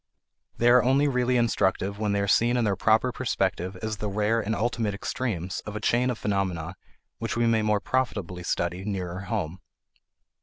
They are only really instructive when they are seen in their proper perspective as the rare and ultimate extremes of a chain of phenomena which we may more profitably study nearer home.